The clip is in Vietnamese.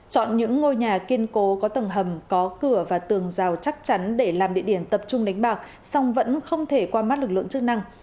chọn những ngôi nhà kiên cố có tầng hầm có cửa và tường rào chắc chắn để làm địa điểm tập trung đánh bạc song vẫn không thể qua mắt lực lượng chức năng